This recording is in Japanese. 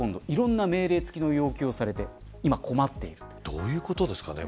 どういうことですかね。